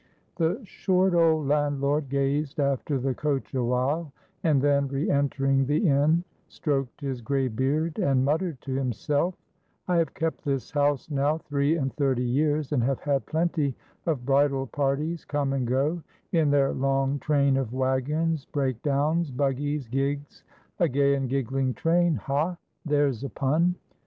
The short old landlord gazed after the coach awhile, and then re entering the inn, stroked his gray beard and muttered to himself: "I have kept this house, now, three and thirty years, and have had plenty of bridal parties come and go; in their long train of wagons, break downs, buggies, gigs a gay and giggling train Ha! there's a pun!